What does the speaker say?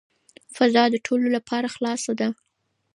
فضا د ټولو لپاره خلاصه ده.